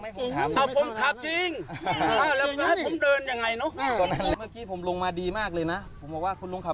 ไม่ผมทำนะผมขับจริงไปแล้วไม่ลงมาดีมากเลยนะผมบอกว่าคุณหลงขับ